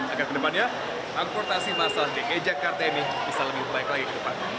agar kedepannya akortasi masa di e jakarta ini bisa lebih baik lagi ke depan